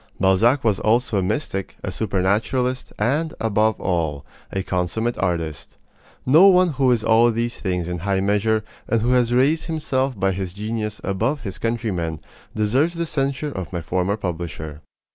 Balzac was also a mystic, a supernaturalist, and, above all, a consummate artist. No one who is all these things in high measure, and who has raised himself by his genius above his countrymen, deserves the censure of my former publisher.